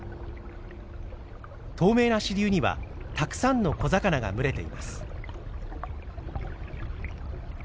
透明な支流にはたくさんの小魚が群れています。